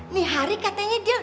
nih hari katanya dia